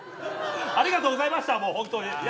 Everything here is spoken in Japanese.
ありがとうございました本当に。